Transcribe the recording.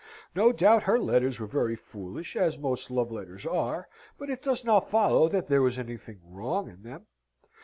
No doubt her letters were very foolish, as most love letters are, but it does not follow that there was anything wrong in them.